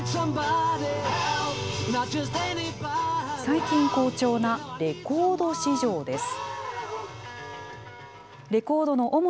最近好調なレコード市場です。